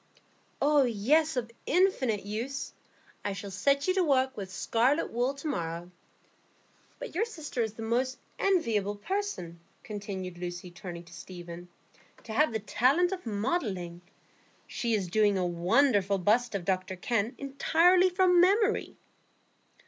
"Oh yes, of infinite use. I shall set you to work with scarlet wool to morrow. But your sister is the most enviable person," continued Lucy, turning to Stephen, "to have the talent of modelling. She is doing a wonderful bust of Dr Kenn entirely from memory."